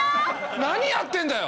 何やってんだよ！